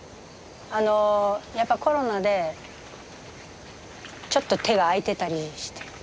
あのやっぱコロナでちょっと手が空いてたりして。